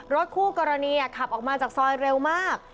คู่กรณีขับออกมาจากซอยเร็วมาก